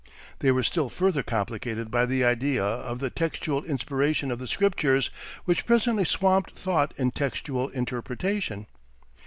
They were still further complicated by the idea of the textual inspiration of the scriptures, which presently swamped thought in textual interpretation.